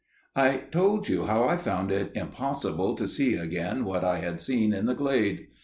"I told you how I found it impossible to see again what I had seen in the glade.